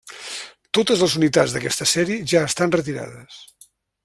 Totes les unitats d'aquesta sèrie ja han estat retirades.